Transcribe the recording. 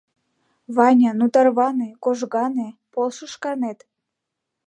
Ваня, ну, тарване, кожгане, полшо шканет.